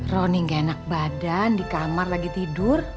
roni gak enak badan di kamar lagi tidur